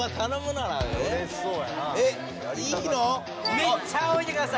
めっちゃあおいでください！